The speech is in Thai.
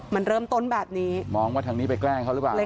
มันเริ่มต้นแบบนี้มองว่าทางนี้ไปแกล้งเขาหรือเปล่า